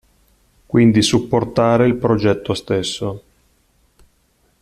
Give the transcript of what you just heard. Quindi supportare il progetto stesso.